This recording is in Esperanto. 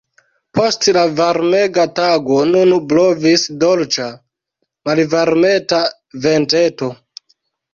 Post la varmega tago nun blovis dolĉa, malvarmeta venteto.